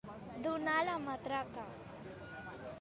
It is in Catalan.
Donar la matraca.